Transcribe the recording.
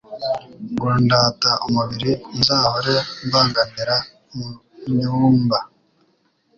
Ngo ndata umubiri nzahore mbanganira mu Myumba,